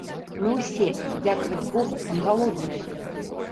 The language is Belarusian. Мы ўсе, дзякаваць богу, не галодныя.